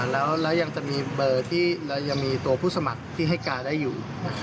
แล้วยังจะมีเบอร์ที่เรายังมีตัวผู้สมัครที่ให้การได้อยู่